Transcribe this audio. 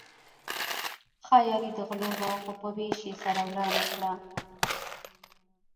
ښه یاري د غلو وه خو په وېش يې سره ورانه کړه.